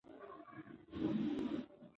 د ټولنیز عمل ډولونه وپېژنئ.